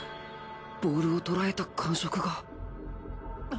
ボールをとらえた感触がえ？